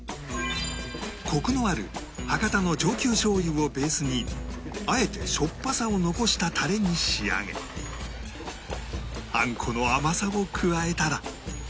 コクのある博多のジョーキュウ醤油をベースにあえてしょっぱさを残したタレに仕上げあんこの甘さを加えたら